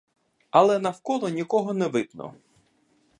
Але навколо нікого не видно.